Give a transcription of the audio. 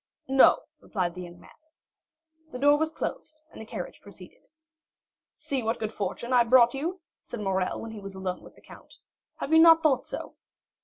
"No," replied the young man. The door was closed, and the carriage proceeded. "See what good fortune I brought you!" said Morrel, when he was alone with the count. "Have you not thought so?"